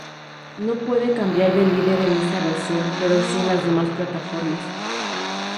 No puede cambiar de líder en esta versión, pero sí en las demás plataformas.